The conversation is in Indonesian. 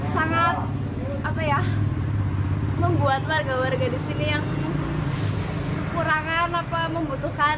sangat apa ya membuat warga warga di sini yang kekurangan apa membutuhkan